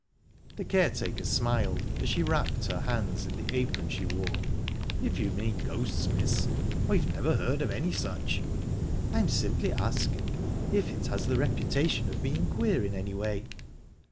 The caretaker smiled, as she wrapped her hands in the apron she wore. "If you mean ghosts, miss, I've never heard of any such." "I'm simply asking of it has the reputation of being queer in any way?"